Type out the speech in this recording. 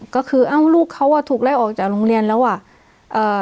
ก็คือเอ้าลูกเขาอ่ะถูกไล่ออกจากโรงเรียนแล้วอ่ะเอ่อ